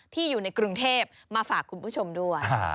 อยู่ในกรุงเทพมาฝากคุณผู้ชมด้วย